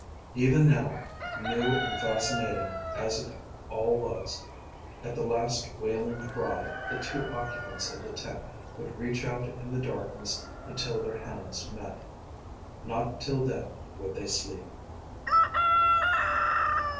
Even now, new and fascinating as it all was, at the last wailing cry the two occupants of the tent would reach out in the darkness until their hands met. Not till then would they sleep.